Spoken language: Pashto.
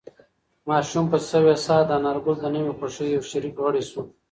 ماشوم په سوې ساه د انارګل د نوې خوښۍ یو شریک غړی شو.